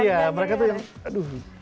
iya mereka tuh yang aduh